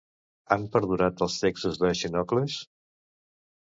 Han perdurat els textos de Xenocles?